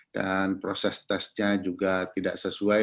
dan proses tesnya juga tidak sesuai